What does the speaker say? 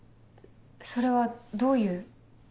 それはどういう？